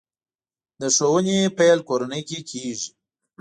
د ښوونې پیل کورنۍ کې کېږي.